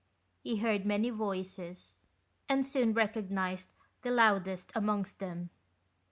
He heard many voices, and soon recognised the loudest amongst them.